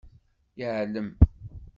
Yeεlem.